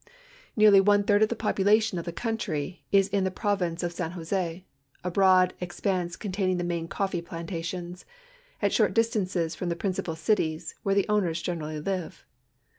Nearly one third of the population of tiie country is in the province of San Jose, a liroad expanse containing the n)ain cofl'ee plantations, at siiort distances from tiie princi^jal cities, where tlie owners generally live.